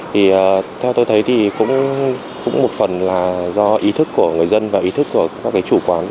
thì theo tôi thấy thì cũng một phần là do ý thức của người dân và ý thức của các chủ quán